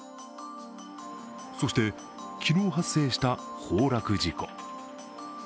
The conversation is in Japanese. そして昨日発生した崩落事故。